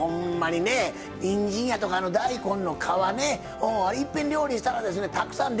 にんじんやとか大根の皮ねいっぺん料理したらですねたくさん出ますやろ。